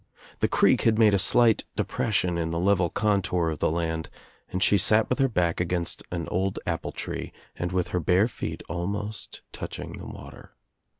The creek had made a slight depression in the level contour of the land and she sat with her back against an old apple tree and with her bare feet almost touching the water.